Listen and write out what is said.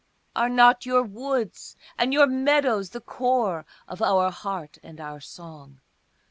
Are not your woods and your meadows the core of our heart and our song?